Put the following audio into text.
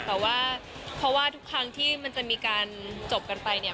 แต่ว่าเพราะว่าทุกครั้งที่มันจะมีการจบกันไปเนี่ย